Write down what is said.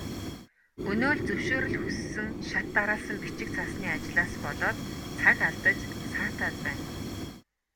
Өнөө л зөвшөөрөл хүссэн шат дараалсан бичиг цаасны ажлаас болоод цаг алдаж саатаад байна.